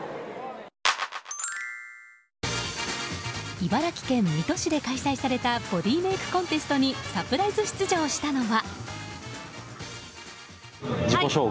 茨城県水戸市で開催されたボディーメイクコンテストにサプライズ出場したのは。